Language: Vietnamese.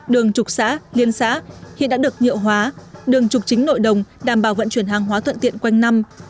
đường trục xã liên xã hiện đã được nhựa hóa đường trục chính nội đồng đảm bảo vận chuyển hàng hóa thuận tiện quanh năm